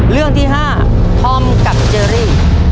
เรื่องที่๕ธอมกับเจอรี่